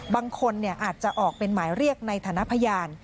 บางคนอาจจะออกเป็นหมายเรียกในฐานะพยาน